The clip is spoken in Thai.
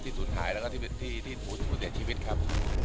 ที่สุดหายและที่อุดเสียชีวิตครับ